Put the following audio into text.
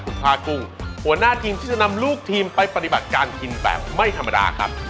คุณพากุ้งหัวหน้าทีมที่จะนำลูกทีมไปปฏิบัติการกินแบบไม่ธรรมดาครับ